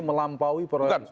melampaui perusahaannya di